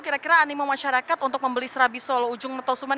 kira kira animo masyarakat untuk membeli serabi solo ujung noto suman